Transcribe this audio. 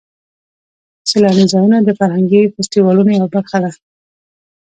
سیلاني ځایونه د فرهنګي فستیوالونو یوه برخه ده.